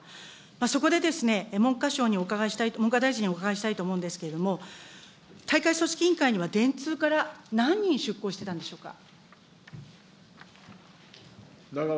そこで、文科大臣にお伺いしたいと思うんですけれども、大会組織委員会には、電通から何人出向してたんでしょうか。